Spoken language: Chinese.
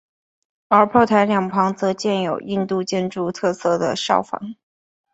而炮台两旁则建有印度建筑特色的哨房。